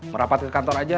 merapatkan kantor aja